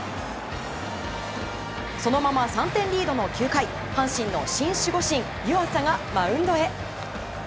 そのまま３点リードの９回守護神・湯浅がマウンドへ。